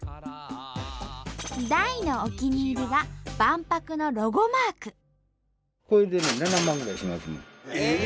大のお気に入りは万博のロゴマーク。